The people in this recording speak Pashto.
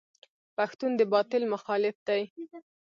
پښتون د باطل مخالف دی.